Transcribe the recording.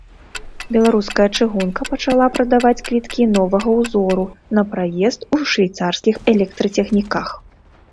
Беларуская чыгунка пачала прадаваць квіткі новага ўзору на праезд у швейцарскіх электрацягніках.